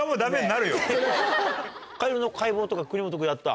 カエルの解剖とか国本君やった？